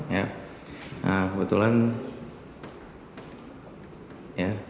nah kebetulan ya